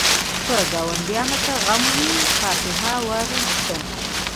که ګاونډي ته غم وي، فاتحه ورشه